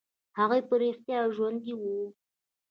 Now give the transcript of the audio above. هغوى په رښتيا ژوندي وو.